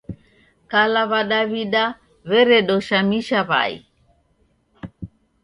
Kala W'adaw'ida weredoshamisha w'ai.